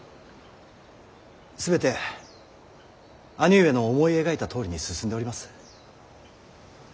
全て兄上の思い描いたとおりに進んでおります。